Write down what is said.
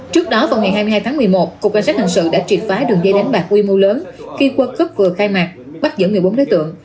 trước đó vào ngày hai mươi hai tháng một mươi một cục cảnh sát hình sự đã triệt phá đường dây đánh bạc quy mô lớn khi quân cướp vừa khai mạc bắt giữ một mươi bốn đối tượng